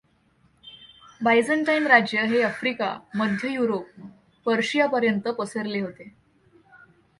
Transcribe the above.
Byzantine राज्य हे Africa, मध्य युरोप, पर्शियापर्यंत पसरले होते.